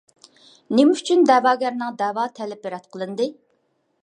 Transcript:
نېمە ئۈچۈن دەۋاگەرنىڭ دەۋا تەلىپى رەت قىلىندى؟